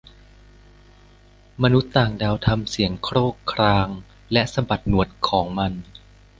มนุษย์ต่างดาวทำเสียงโครกครางและสะบัดหนวดของมัน